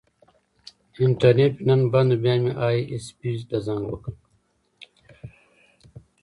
انټرنیټ مې نن بند و، بیا مې ائ ایس پي ته زنګ وکړ.